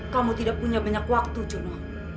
kamu tidak punya banyak waktu juno